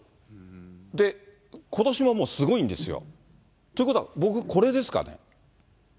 で、ことしももうすごいんですよ。ということは、僕、これですか？